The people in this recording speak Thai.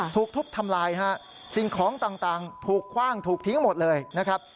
ถูกทุบทำลายฮะสิ่งของต่างถูกคว่างถูกทิ้งหมดเลยนะครับ